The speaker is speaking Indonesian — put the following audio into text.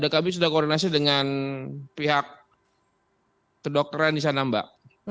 kami sudah koordinasi dengan pihak kedokteran di sana mbak